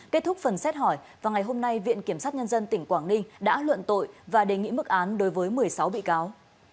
kết thúc phần xét hỏi vào ngày hôm nay viện kiểm sát nhân dân tỉnh quảng ninh đã luận tội và đề nghị mức án đối với một mươi sáu bị cáo